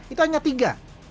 itu hanya tiga